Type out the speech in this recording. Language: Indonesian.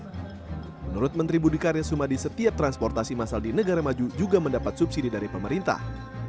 menurut menteri budi karya sumadi setiap transportasi masal di negara maju juga mendapat subsidi dari pemerintah